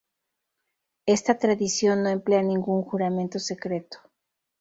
Esta tradición no emplea ningún juramento secreto.